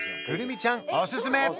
くるみちゃんおすすめ！